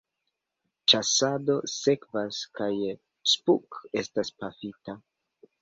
Ĉasado sekvas kaj Spock estas pafita.